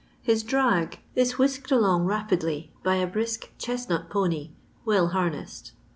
His " drag" is whisked along rapidly by a brisk chestnut poney, well harnessed.